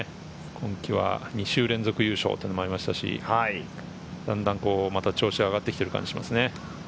今季は２週連続、優勝もありましたし、だんだん調子が上がってきている感じがしますね。